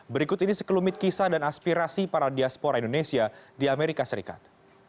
berikut ini sekelumit kisah dan aspirasi para diaspora indonesia di amerika serikat